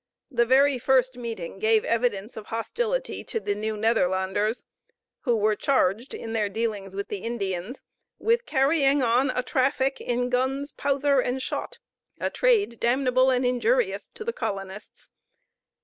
The very first meeting gave evidence of hostility to the New Nederlanders, who were charged, in their dealings with the Indians, with carrying on a traffic in "guns, powther, and shott a trade damnable and injurious to the colonists."